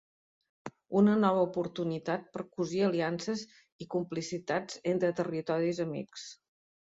Una nova oportunitat per a cosir aliances i complicitats entre territoris amics.